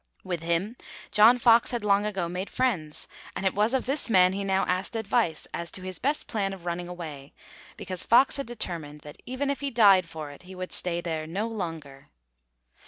With him, John Fox had long ago made friends, and it was of this man he now asked advice as to his best plan of running away, because Fox had determined that, even if he died for it, he would stay there no longer.